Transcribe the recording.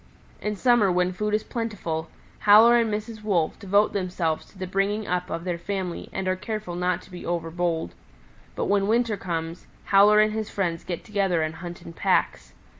In summer when food is plentiful, Howler and Mrs. Wolf devote themselves to the bringing up of their family and are careful not to be overbold. But when winter comes, Howler and his friends get together and hunt in packs.